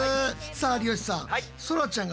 さあ有吉さん。